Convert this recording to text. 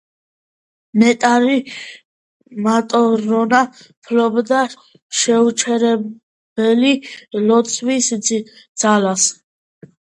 ნეტარი მატრონა ფლობდა შეუჩერებელი ლოცვის ძალას.